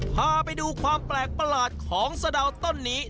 พาไปดูความแปลกประหลาดของสะดาวต้นนี้